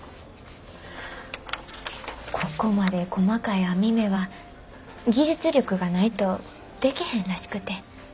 ここまで細かい網目は技術力がないとでけへんらしくて。